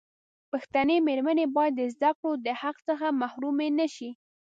پښتنې مېرمنې باید د زدکړو دحق څخه محرومي نشي.